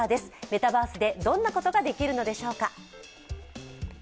メタバースでどんなことができるのでしょうか。